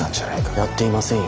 やっていませんよ。